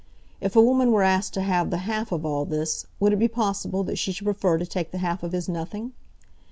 If a woman were asked to have the half of all this, would it be possible that she should prefer to take the half of his nothing?